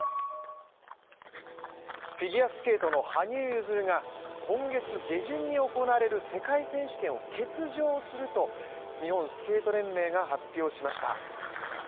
フィギュアスケートの羽生結弦が今月下旬に行われる世界選手権を欠場すると日本スケート連盟が発表しました。